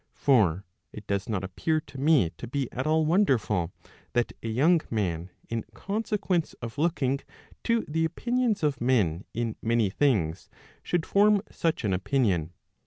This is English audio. For it does not appear to me to be at all wonderful that a young man in consequence of looking to the opinions of men in many things, should form such an opinion.